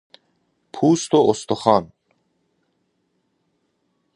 پوست و استخوان